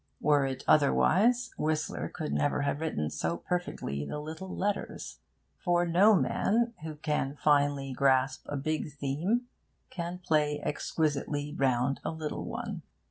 Were it otherwise, Whistler could never have written so perfectly the little letters. For no man who can finely grasp a big theme can play exquisitely round a little one.